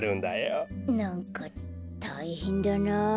なんかたいへんだなあ。